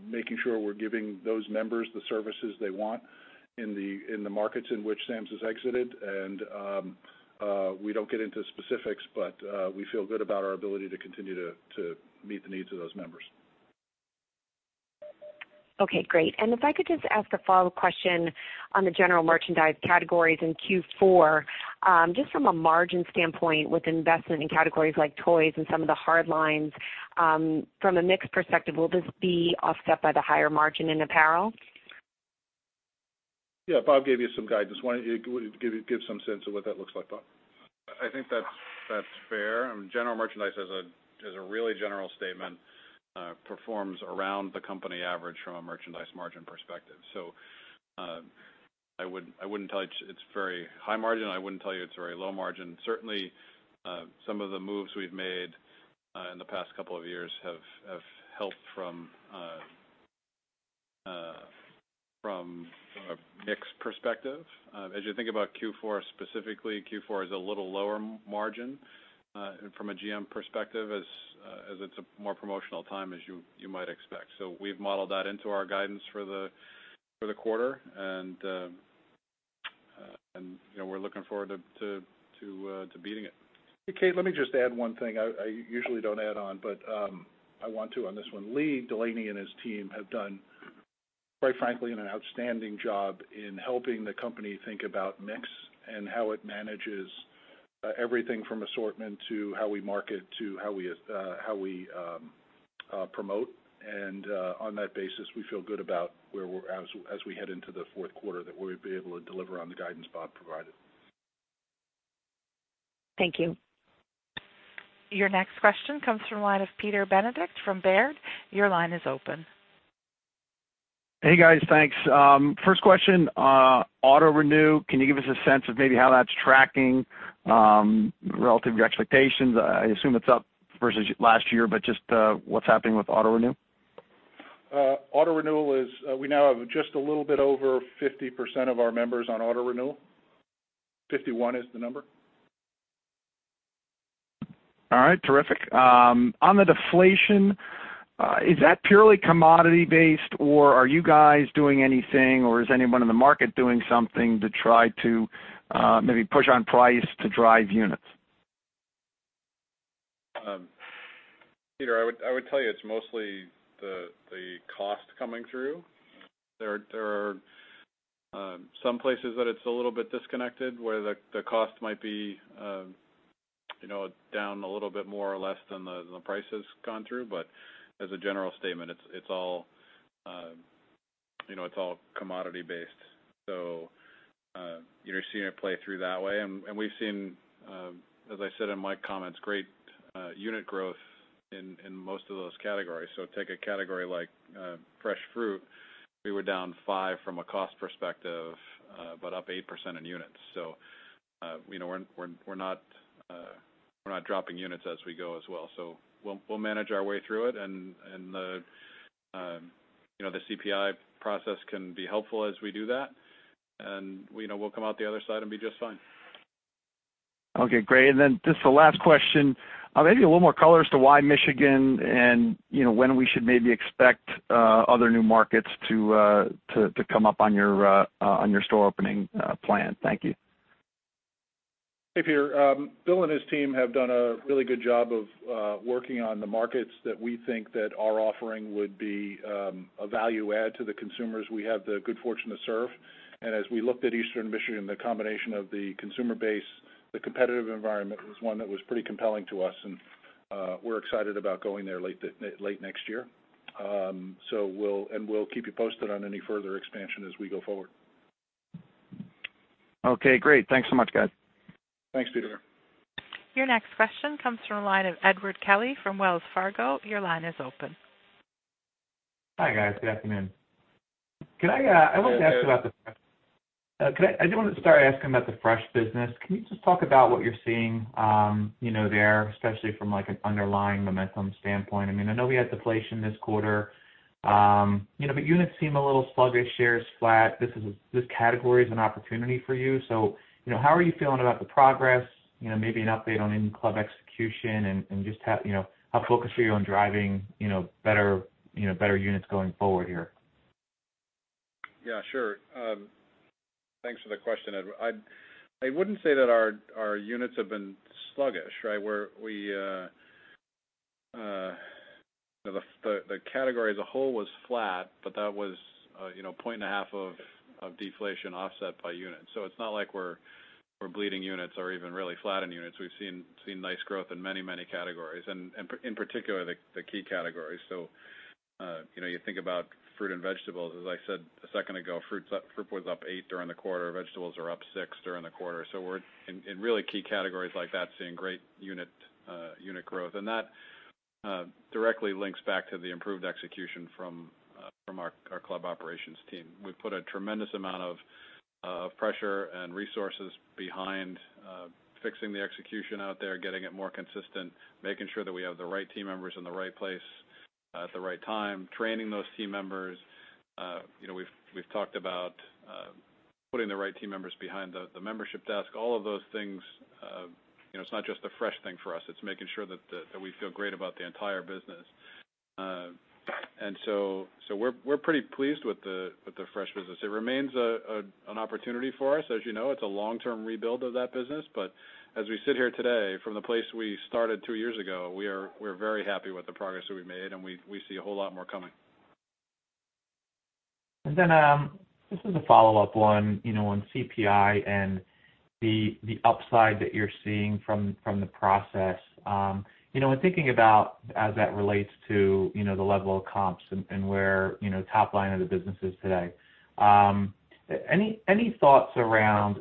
making sure we're giving those members the services they want in the markets in which Sam's has exited. We don't get into specifics, but we feel good about our ability to continue to meet the needs of those members. Okay, great. If I could just ask a follow-up question on the general merchandise categories in Q4. Just from a margin standpoint, with investment in categories like toys and some of the hard lines, from a mix perspective, will this be offset by the higher margin in apparel? Bob gave you some guidance. Why don't you give some sense of what that looks like, Bob? I think that's fair. General merchandise, as a really general statement, performs around the company average from a merchandise margin perspective. I wouldn't tell you it's very high margin. I wouldn't tell you it's very low margin. Certainly, some of the moves we've made in the past couple of years have helped from a mix perspective. As you think about Q4 specifically, Q4 is a little lower margin from a GM perspective, as it's a more promotional time as you might expect. We've modeled that into our guidance for the quarter, and we're looking forward to beating it. Hey, Kate, let me just add one thing. I usually don't add on, but I want to on this one. Lee Delaney and his team have done, quite frankly, an outstanding job in helping the company think about mix and how it manages everything from assortment to how we market to how we promote. On that basis, we feel good about as we head into the fourth quarter, that we'll be able to deliver on the guidance Bob provided. Thank you. Your next question comes from the line of Peter Benedict from Baird. Your line is open. Hey, guys. Thanks. First question, auto renew, can you give us a sense of maybe how that's tracking relative to your expectations? I assume it's up versus last year, but just what's happening with auto renew? Auto renewal is, we now have just a little bit over 50% of our members on auto renewal. 51 is the number. All right. Terrific. On the deflation, is that purely commodity based, or are you guys doing anything, or is anyone in the market doing something to try to maybe push on price to drive units? Peter, I would tell you it's mostly the cost coming through. There are some places that it's a little bit disconnected where the cost might be down a little bit more or less than the price has gone through. As a general statement, it's all commodity based. You're seeing it play through that way. We've seen, as I said in my comments, great unit growth in most of those categories. Take a category like fresh fruit. We were down five from a cost perspective but up 8% in units. We're not dropping units as we go as well. We'll manage our way through it, the CPI process can be helpful as we do that. We'll come out the other side and be just fine. Okay, great. Just the last question, maybe a little more color as to why Michigan and when we should maybe expect other new markets to come up on your store opening plan? Thank you. Hey, Peter. Bill and his team have done a really good job of working on the markets that we think that our offering would be a value add to the consumers we have the good fortune to serve. As we looked at Eastern Michigan, the combination of the consumer base, the competitive environment was one that was pretty compelling to us, we're excited about going there late next year. We'll keep you posted on any further expansion as we go forward. Okay, great. Thanks so much, guys. Thanks, Peter. Your next question comes from the line of Edward Kelly from Wells Fargo. Your line is open. Hi, guys. Good afternoon. Hey, Ed. I do want to start asking about the fresh business. Can you just talk about what you're seeing there, especially from an underlying momentum standpoint? I know we had deflation this quarter. Units seem a little sluggish, shares flat. This category is an opportunity for you. How are you feeling about the progress? Maybe an update on any club execution and just how focused are you on driving better units going forward here? Yeah, sure. Thanks for the question, Ed. I wouldn't say that our units have been sluggish, right? The category as a whole was flat. That was, point and a half of deflation offset by units. It's not like we're bleeding units or even really flat in units. We've seen nice growth in many categories and in particular, the key categories. You think about fruit and vegetables, as I said a second ago, fruit was up eight during the quarter. Vegetables are up six during the quarter. We're, in really key categories like that, seeing great unit growth. That directly links back to the improved execution from our club operations team. We've put a tremendous amount of pressure and resources behind fixing the execution out there, getting it more consistent, making sure that we have the right team members in the right place at the right time, training those team members. We've talked about putting the right team members behind the membership desk, all of those things. It's not just a fresh thing for us. It's making sure that we feel great about the entire business. We're pretty pleased with the fresh business. It remains an opportunity for us. As you know, it's a long-term rebuild of that business. As we sit here today from the place we started two years ago, we're very happy with the progress that we've made, and we see a whole lot more coming. Just as a follow-up one, on CPI and the upside that you're seeing from the process. In thinking about as that relates to the level of comps and where top line of the business is today, any thoughts around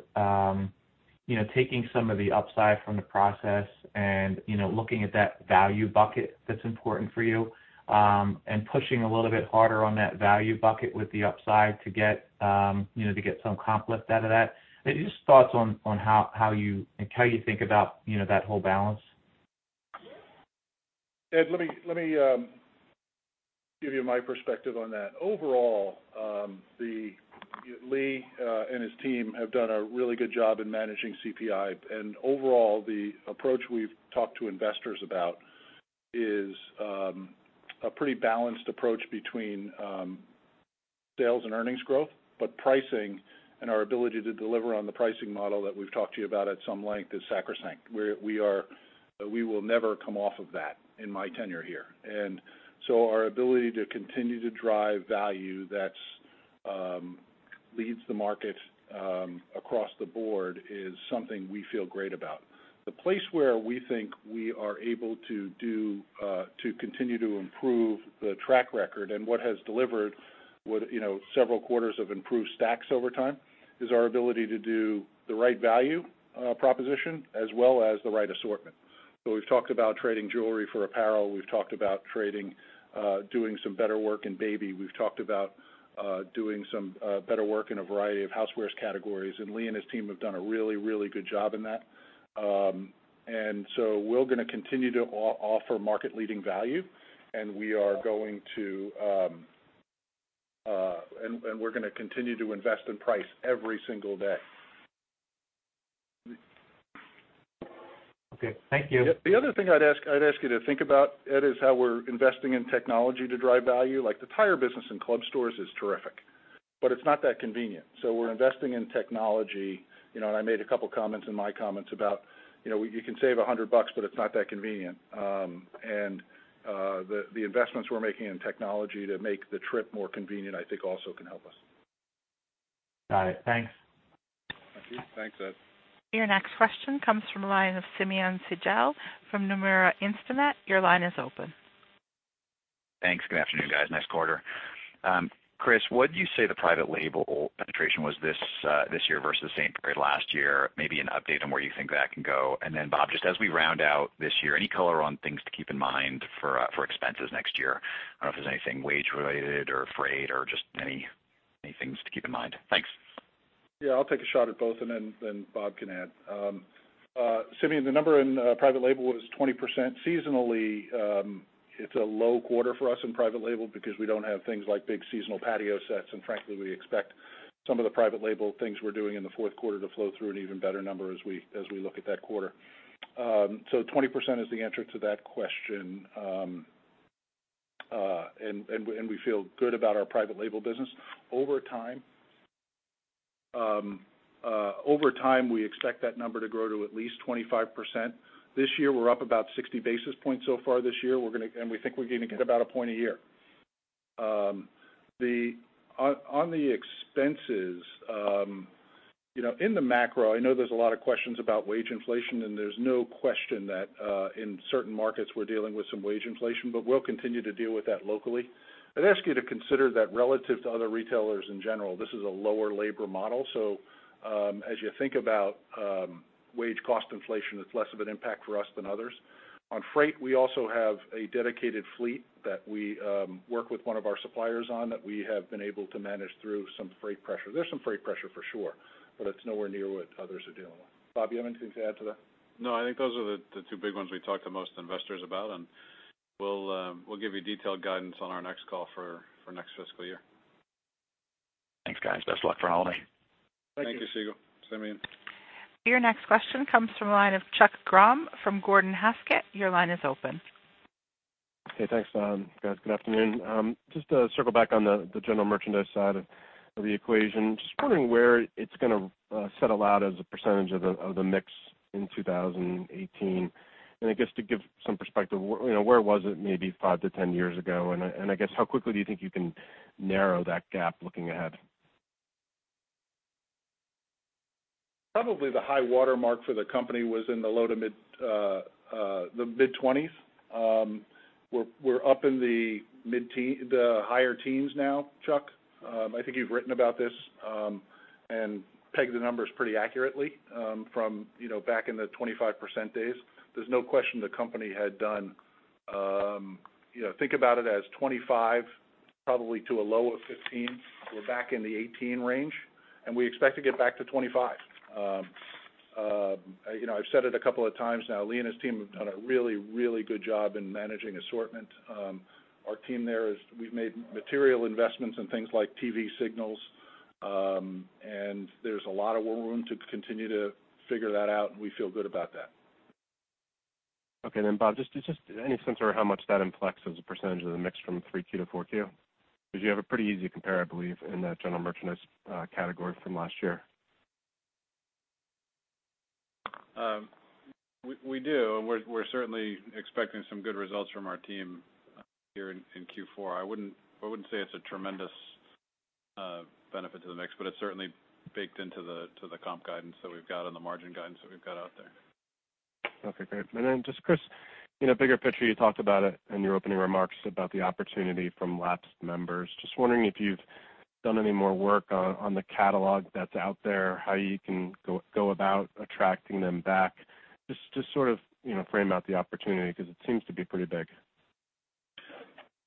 taking some of the upside from the process and looking at that value bucket that's important for you, and pushing a little bit harder on that value bucket with the upside to get some comp lift out of that? Just thoughts on how you think about that whole balance. Ed, let me give you my perspective on that. Overall, Lee and his team have done a really good job in managing CPI, the approach we've talked to investors about is a pretty balanced approach between sales and earnings growth, pricing and our ability to deliver on the pricing model that we've talked to you about at some length is sacrosanct. We will never come off of that in my tenure here. Our ability to continue to drive value that leads the market across the board is something we feel great about. The place where we think we are able to continue to improve the track record and what has delivered several quarters of improved stacks over time, is our ability to do the right value proposition as well as the right assortment. We've talked about trading jewelry for apparel. We've talked about doing some better work in baby. We've talked about doing some better work in a variety of housewares categories, Lee and his team have done a really good job in that. We're going to continue to offer market-leading value, and we're going to continue to invest in price every single day. Okay. Thank you. The other thing I'd ask you to think about, Ed, is how we're investing in technology to drive value. Like the tire business in club stores is terrific, but it's not that convenient. We're investing in technology, and I made a couple comments in my comments about, you can save $100, but it's not that convenient. The investments we're making in technology to make the trip more convenient, I think also can help us. Got it. Thanks. Thank you. Thanks, Ed. Your next question comes from the line of Simeon Siegel from Nomura Instinet. Your line is open. Thanks. Good afternoon, guys. Nice quarter. Chris, what'd you say the private label penetration was this year versus the same period last year? Maybe an update on where you think that can go. Then Bob, just as we round out this year, any color on things to keep in mind for expenses next year? I don't know if there's anything wage related or freight or just any things to keep in mind. Thanks. Yeah, I'll take a shot at both. Then Bob can add. Simeon, the number in private label was 20%. Seasonally, it's a low quarter for us in private label because we don't have things like big seasonal patio sets, and frankly, we expect some of the private label things we're doing in the fourth quarter to flow through an even better number as we look at that quarter. 20% is the answer to that question. We feel good about our private label business. Over time, we expect that number to grow to at least 25%. This year, we're up about 60 basis points so far this year, and we think we're going to get about a point a year. On the expenses, in the macro, I know there's a lot of questions about wage inflation. There's no question that in certain markets, we're dealing with some wage inflation. We'll continue to deal with that locally. I'd ask you to consider that relative to other retailers in general, this is a lower labor model. As you think about wage cost inflation, it's less of an impact for us than others. On freight, we also have a dedicated fleet that we work with one of our suppliers on, that we have been able to manage through some freight pressure. There's some freight pressure for sure, but it's nowhere near what others are dealing with. Bob, you have anything to add to that? No, I think those are the two big ones we talk to most investors about, and we'll give you detailed guidance on our next call for next fiscal year. Thanks, guys. Best of luck for the holiday. Thank you. Thank you, Siegel. Same to you. Your next question comes from the line of Chuck Grom from Gordon Haskett. Your line is open. Okay. Thanks. Guys, good afternoon. Just to circle back on the general merchandise side of the equation, just wondering where it's going to settle out as a percentage of the mix in 2018. I guess to give some perspective, where was it maybe 5-10 years ago, I guess how quickly do you think you can narrow that gap looking ahead? Probably the high watermark for the company was in the low to mid-20s. We're up in the higher teens now, Chuck. I think you've written about this and pegged the numbers pretty accurately from back in the 25% days. There's no question the company think about it as 25%, probably to a low of 15%. We're back in the 18% range, we expect to get back to 25%. I've said it a couple of times now. Lee and his team have done a really good job in managing assortment. Our team there we've made material investments in things like TV signals, there's a lot of room to continue to figure that out, we feel good about that. Okay. Bob, just any sense how much that impacts as a percentage of the mix from 3Q to 4Q? You have a pretty easy compare, I believe, in that general merchandise category from last year. We do, we're certainly expecting some good results from our team here in Q4. I wouldn't say it's a tremendous benefit to the mix, it's certainly baked into the comp guidance that we've got and the margin guidance that we've got out there. Okay, great. Just Chris, bigger picture, you talked about it in your opening remarks about the opportunity from lapsed members. Just wondering if you've done any more work on the catalog that's out there, how you can go about attracting them back. Just sort of frame out the opportunity, because it seems to be pretty big.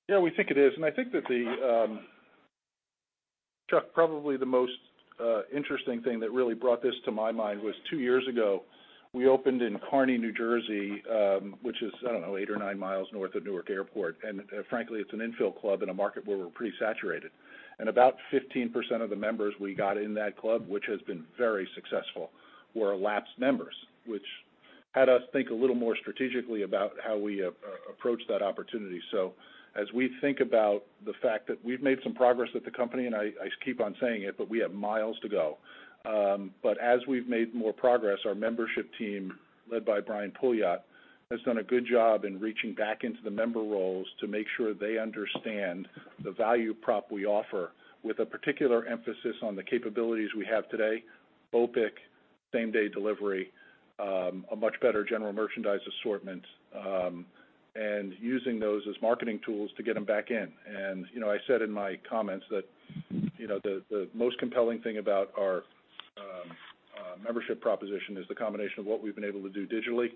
Yeah, we think it is. I think that, Chuck, probably the most interesting thing that really brought this to my mind was two years ago, we opened in Kearny, New Jersey, which is, I don't know, eight or nine miles north of Newark Airport. Frankly, it's an infill club in a market where we're pretty saturated. About 15% of the members we got in that club, which has been very successful, were lapsed members, which had us think a little more strategically about how we approach that opportunity. As we think about the fact that we've made some progress with the company, I keep on saying it, we have miles to go. As we've made more progress, our membership team, led by Brian Pouliot, has done a good job in reaching back into the member roles to make sure they understand the value prop we offer, with a particular emphasis on the capabilities we have today. BOPIC, same-day delivery, a much better general merchandise assortment, using those as marketing tools to get them back in. I said in my comments that the most compelling thing about our membership proposition is the combination of what we've been able to do digitally,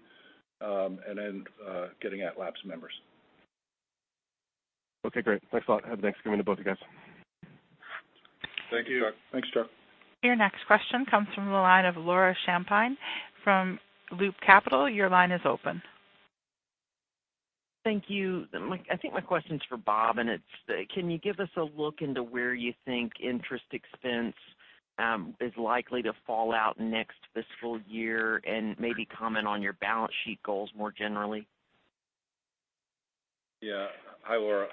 getting at lapsed members. Okay, great. Thanks a lot. Have a nice evening to both you guys. Thank you. Thanks, Chuck. Your next question comes from the line of Laura Champine from Loop Capital. Your line is open. Thank you. I think my question's for Bob, can you give us a look into where you think interest expense is likely to fall out next fiscal year and maybe comment on your balance sheet goals more generally? Hi, Laura.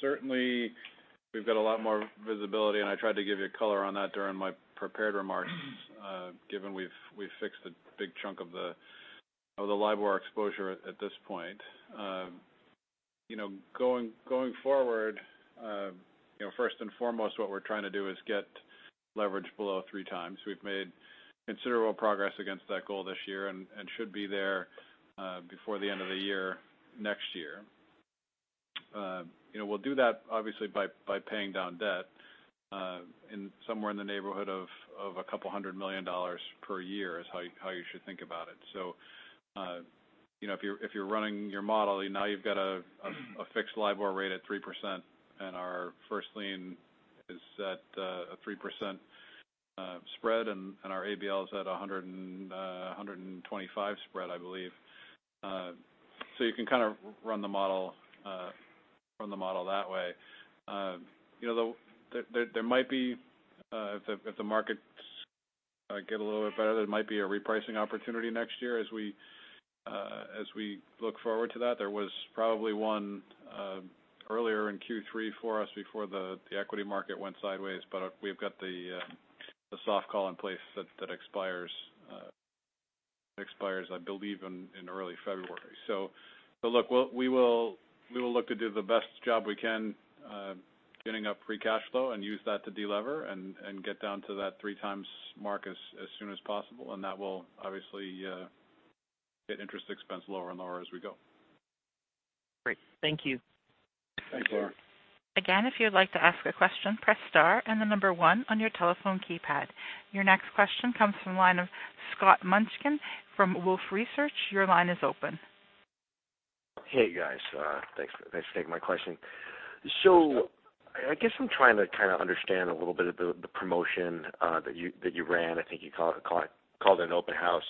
Certainly, we've got a lot more visibility. I tried to give you color on that during my prepared remarks, given we've fixed a big chunk of the LIBOR exposure at this point. Going forward, first and foremost, what we're trying to do is get leverage below three times. We've made considerable progress against that goal this year and should be there before the end of the year next year. We'll do that obviously by paying down debt somewhere in the neighborhood of a couple $100 million per year is how you should think about it. If you're running your model, now you've got a fixed LIBOR rate at 3%, our first lien is at a 3% spread, and our ABL is at 125 spread, I believe. You can run the model that way. There might be a repricing opportunity next year as we look forward to that. There was probably one earlier in Q3 for us before the equity market went sideways. We've got the soft call in place that expires, I believe, in early February. We will look to do the best job we can, getting up free cash flow and use that to delever and get down to that three times mark as soon as possible, and that will obviously get interest expense lower and lower as we go. Great. Thank you. Thanks, Laura. Again, if you'd like to ask a question, press star and the number one on your telephone keypad. Your next question comes from the line of Scott Mushkin from Wolfe Research. Your line is open. Hey, guys. Thanks for taking my question. I guess I'm trying to kind of understand a little bit of the promotion that you ran. I think you called it an open house.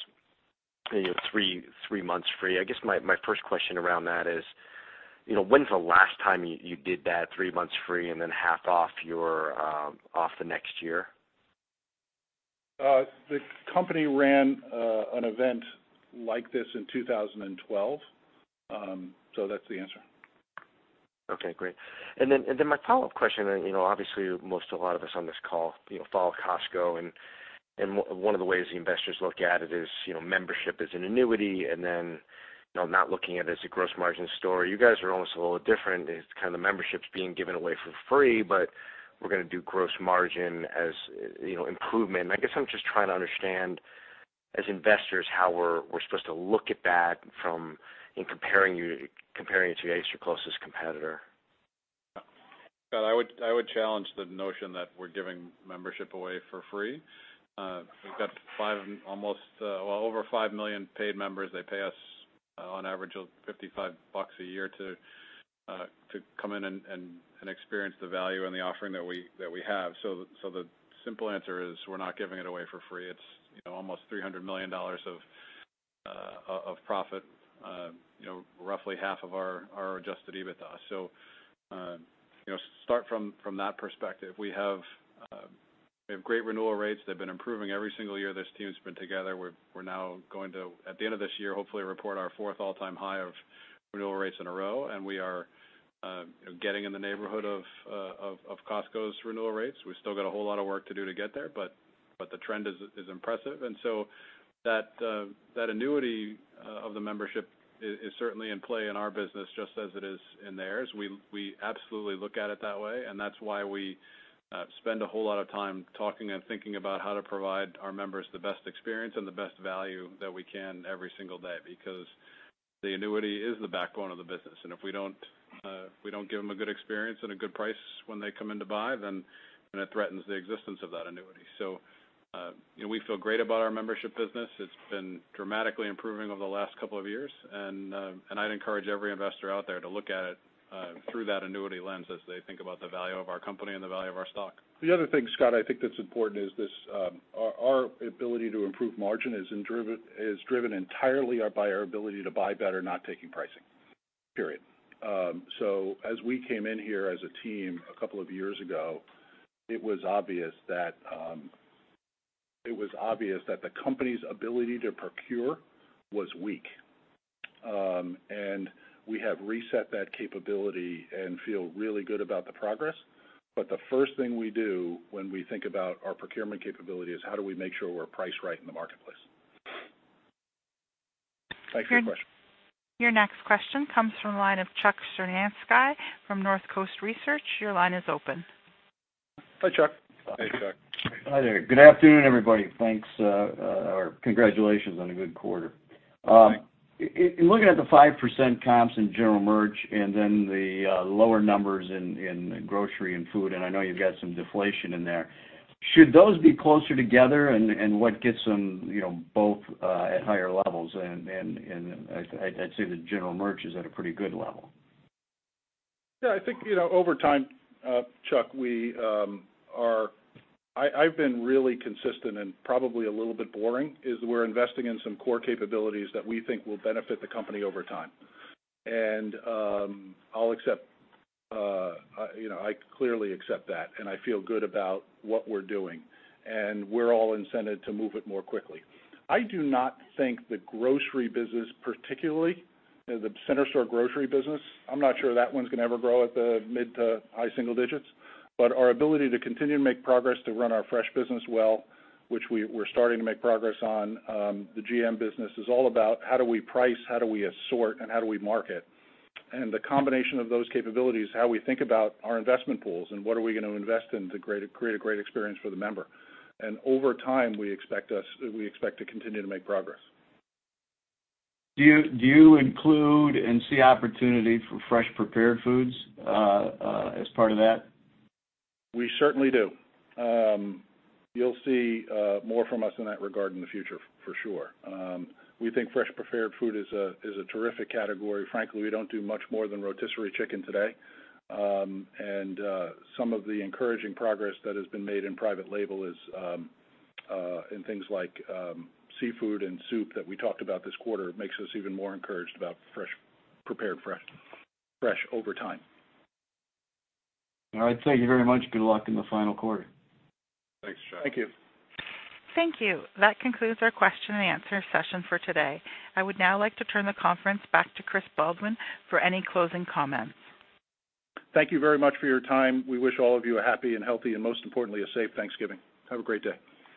You had three months free. I guess my first question around that is, when's the last time you did that three months free and then half off the next year? The company ran an event like this in 2012. That's the answer. My follow-up question, obviously a lot of us on this call follow Costco and one of the ways the investors look at it is membership is an annuity and not looking at it as a gross margin story. You guys are almost a little different. It's kind of the membership's being given away for free, but we're going to do gross margin as improvement. I guess I'm just trying to understand, as investors, how we're supposed to look at that from comparing you to your closest competitor? Scott, I would challenge the notion that we're giving membership away for free. We've got over 5 million paid members. They pay us on average $55 a year to come in and experience the value and the offering that we have. The simple answer is we're not giving it away for free. It's almost $300 million of profit, roughly half of our adjusted EBITDA. Start from that perspective. We have great renewal rates. They've been improving every single year this team's been together. We're now going to, at the end of this year, hopefully report our fourth all-time high of renewal rates in a row. We are getting in the neighborhood of Costco's renewal rates. We've still got a whole lot of work to do to get there, but the trend is impressive. That annuity of the membership is certainly in play in our business just as it is in theirs. We absolutely look at it that way, that's why we spend a whole lot of time talking and thinking about how to provide our members the best experience and the best value that we can every single day because the annuity is the backbone of the business. If we don't give them a good experience and a good price when they come in to buy, then it threatens the existence of that annuity. We feel great about our membership business. It's been dramatically improving over the last couple of years, and I'd encourage every investor out there to look at it through that annuity lens as they think about the value of our company and the value of our stock. The other thing, Scott, I think that's important is our ability to improve margin is driven entirely by our ability to buy better, not taking pricing. Period. As we came in here as a team a couple of years ago, it was obvious that the company's ability to procure was weak. We have reset that capability and feel really good about the progress. The first thing we do when we think about our procurement capability is how do we make sure we're priced right in the marketplace. Thanks for your question. Your next question comes from the line of Chuck Cerankosky from Northcoast Research. Your line is open. Hi, Chuck. Hey, Chuck. Hi there. Good afternoon, everybody. Thanks. Congratulations on a good quarter. Thanks. In looking at the 5% comps in general merch and then the lower numbers in grocery and food, I know you've got some deflation in there, should those be closer together and what gets them both at higher levels? I'd say the general merch is at a pretty good level. Yeah, I think over time, Chuck, I've been really consistent and probably a little bit boring, is we're investing in some core capabilities that we think will benefit the company over time. I clearly accept that, and I feel good about what we're doing. We're all incented to move it more quickly. I do not think the grocery business, particularly the center store grocery business, I'm not sure that one's going to ever grow at the mid to high single digits. Our ability to continue to make progress to run our fresh business well, which we're starting to make progress on the GM business, is all about how do we price, how do we assort, and how do we market. The combination of those capabilities, how we think about our investment pools and what are we going to invest in to create a great experience for the member. Over time, we expect to continue to make progress. Do you include and see opportunity for fresh prepared foods as part of that? We certainly do. You'll see more from us in that regard in the future for sure. We think fresh prepared food is a terrific category. Frankly, we don't do much more than rotisserie chicken today. Some of the encouraging progress that has been made in private label is in things like seafood and soup that we talked about this quarter makes us even more encouraged about prepared fresh over time. All right. Thank you very much. Good luck in the final quarter. Thanks, Chuck. Thank you. Thank you. That concludes our question and answer session for today. I would now like to turn the conference back to Chris Baldwin for any closing comments. Thank you very much for your time. We wish all of you a happy and healthy and most importantly, a safe Thanksgiving. Have a great day.